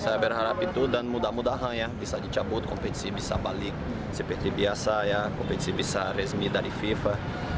saya berharap itu dan mudah mudahan ya bisa dicabut kompetisi bisa balik seperti biasa ya kompetisi bisa resmi dari fifa